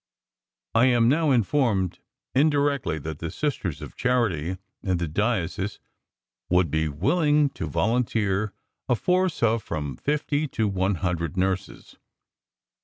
I am now informed indirectly that the Sisters of Charity in the diocese would be willing to volunteer a force of from fifty to one hundred nurses.